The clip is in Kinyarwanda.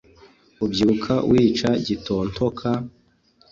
ubyuka wica gitontoka,